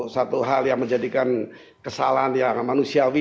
satu hal yang menjadikan kesalahan yang manusiawi